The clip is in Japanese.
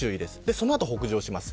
その後北上します。